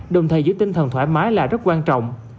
đồng thời giữ tinh thần thoải mái là rất quan trọng